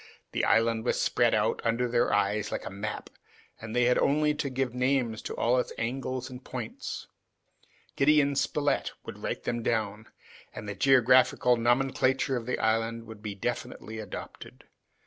The island was spread out under their eyes like a map, and they had only to give names to all its angles and points. Gideon Spilett would write them down, and the geographical nomenclature of the island would be definitely adopted.